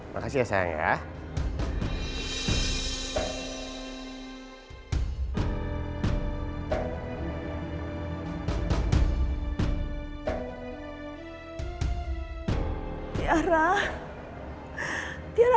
makasih ya sayang ya